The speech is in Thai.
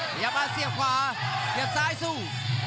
พยายามมาเสียบขวาเสียบซ้ายสู้